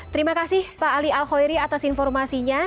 terima kasih pak ali alkhoiri atas informasinya